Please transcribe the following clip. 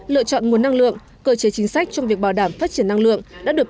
lựa chọn nguồn năng lượng cơ chế chính sách trong việc bảo đảm phát triển năng lượng